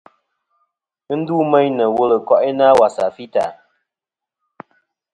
Ghɨ ndu meyn nɨ̀ wul ɨ ko'inɨ a wasà fità.